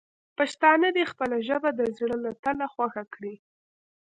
پښتانه دې خپله ژبه د زړه له تله خوښه کړي.